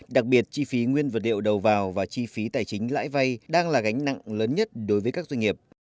đặc biệt chi phí nguyên vật liệu đầu vào và chi phí tài chính lãi vay đang là gánh nặng lớn nhất đối với các doanh nghiệp